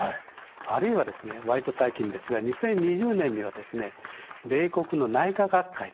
あるいはですね割と最近ですが２０２０年にはですね米国の内科学会ですね